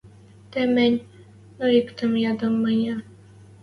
Тымень, но иктӹм ядам мӹньӹ: